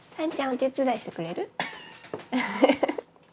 お手伝いしてくれる？